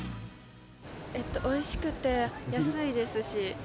おいしくて安いですし。